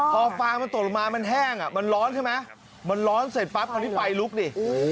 พอฟางตกมามันแห้งมันร้อนใช่ไหมมันร้อนเสร็จปั๊บเพราะที่ไฟลุกดิ